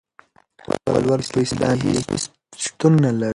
ولور په اسلام کې هيڅ شتون نلري.